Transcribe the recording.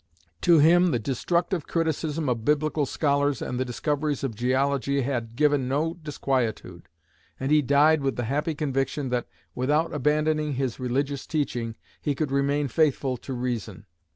To him the destructive criticism of biblical scholars and the discoveries of geology had given no disquietude; and he died with the happy conviction, that, without abandoning his religious teaching, he could remain faithful to reason.